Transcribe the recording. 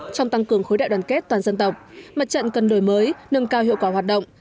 trong tăng cường khối đại đoàn kết toàn dân tộc mặt trận cần đổi mới nâng cao hiệu quả hoạt động